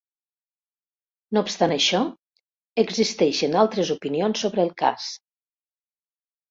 No obstant això, existeixen altres opinions sobre el cas.